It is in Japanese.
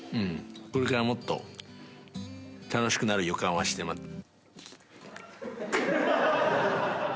これからもっと楽しくなる予感はしてま。